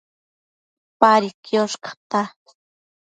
Padi quiosh cata